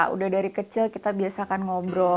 udah dari kecil kita biasakan ngobrol